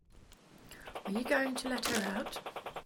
Are you going to let her out?